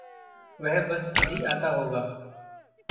वह बस अभी आता होगा।